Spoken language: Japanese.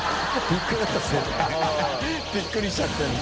びっくりしちゃってるの。